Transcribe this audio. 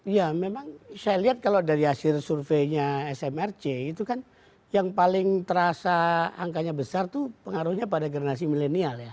ya memang saya lihat kalau dari hasil surveinya smrc itu kan yang paling terasa angkanya besar itu pengaruhnya pada generasi milenial ya